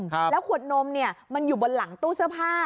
แล้วขวดนมเนี่ยมันอยู่บนหลังตู้เสื้อผ้า